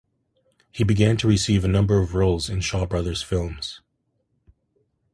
He began to receive a number of roles in Shaw Brothers films.